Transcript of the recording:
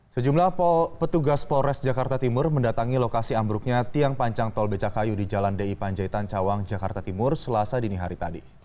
sejumlah petugas polres jakarta timur mendatangi lokasi ambruknya tiang panjang tol becakayu di jalan di panjaitan cawang jakarta timur selasa dini hari tadi